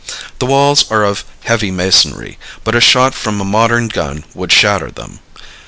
The walls are of heavy masonry, but a shot from a modern gun would shatter them.